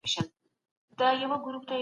کافین د ادرار اغېز هم لري.